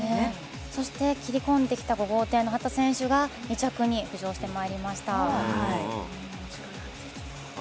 そして切り込んできた５号艇の秦選手が２着に浮上してまいりました。